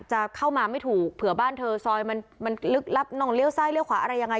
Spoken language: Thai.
จะเข้ามาไม่ถูกเผื่อบ้านเธอซอยมันลึกลับน่องเลี้ยซ้ายเลี้ยขวาอะไรยังไง